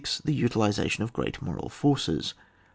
The utilisation of great moral forces.